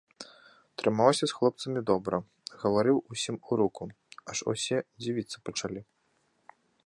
Трымаўся з хлопцамі добра, гаварыў усім у руку, аж усе дзівіцца пачалі.